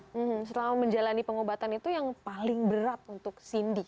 hmm selama menjalani pengobatan itu yang paling berat untuk cindy